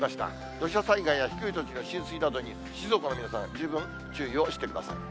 土砂災害や低い土地の浸水などに静岡の皆さん、十分注意をしてください。